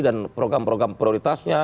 dan program program prioritasnya